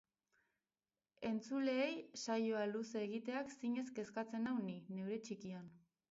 Entzuleei saioa luze egiteak zinez kezkatzen nau ni, neure txikian.